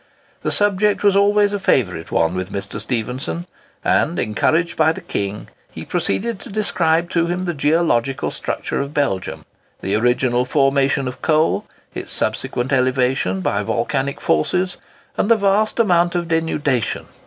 The subject was always a favourite one with Mr. Stephenson, and, encouraged by the king, he proceeded to describe to him the geological structure of Belgium, the original formation of coal, its subsequent elevation by volcanic forces, and the vast amount of denudation.